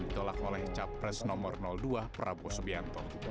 ditolak oleh capres nomor dua prabowo subianto